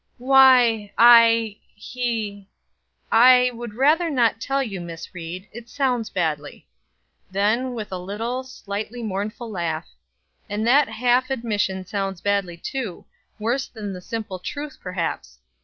"Why I he I would rather not tell you, Miss Ried, it sounds badly." Then, with a little, slightly mournful laugh "And that half admission sounds badly, too; worse than the simple truth, perhaps.